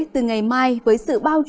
từ ngày mai với sự bao trình